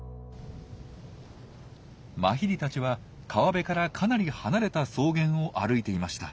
マヒリたちは川辺からかなり離れた草原を歩いていました。